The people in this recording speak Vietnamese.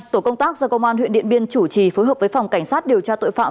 tổ công tác do công an huyện điện biên chủ trì phối hợp với phòng cảnh sát điều tra tội phạm